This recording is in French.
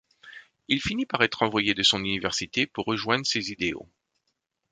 Il finit par être renvoyé de son université pour rejoindre ses idéaux.